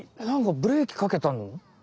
なんかブレーキかけたの？